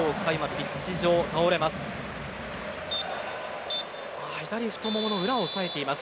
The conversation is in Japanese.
ピッチ上で倒れます。